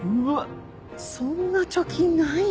そんな貯金ないよ。